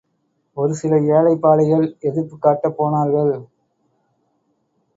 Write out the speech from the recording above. ஒரு சில ஏழைபாளைகள் எதிர்ப்புக் காட்டப் போனார்கள்.